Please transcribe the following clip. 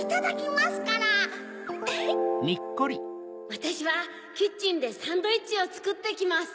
わたしはキッチンでサンドイッチをつくってきます。